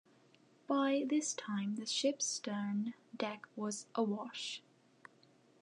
By this time, the ship's stern deck was awash.